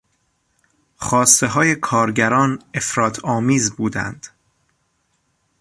خواستههای کارگران افراط آمیز بودند.